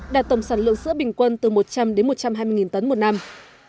đạt tổng sản lượng sữa bình quân từ một trăm linh đến một trăm hai mươi tấn một năm